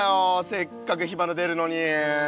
せっかく火花でるのに。